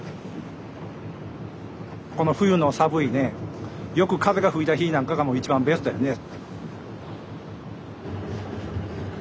この冬の寒いねよく風が吹いた日なんかがもう一番ベストやね。